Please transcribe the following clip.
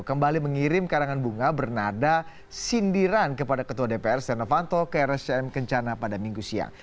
kembali mengirim karangan bunga bernada sindiran kepada ketua dpr setia novanto ke rscm kencana pada minggu siang